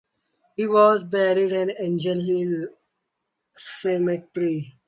He was buried in Angel Hill Cemetery.